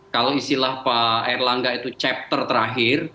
kalau istilah pak erlangga itu chapter terakhir